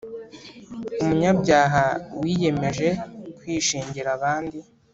Umunyabyaha wiyemeje kwishingira abandi,